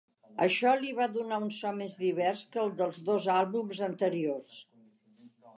Això li va donar un so més divers que el dels dos àlbums anteriors.